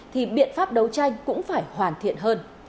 thì biện pháp đấu tranh cũng phải hoàn thiện hơn